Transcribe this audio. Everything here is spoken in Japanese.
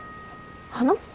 花？